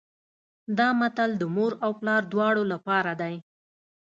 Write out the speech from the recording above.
دا متل د مور او پلار دواړو لپاره دی